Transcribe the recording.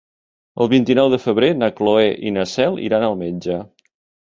El vint-i-nou de febrer na Cloè i na Cel iran al metge.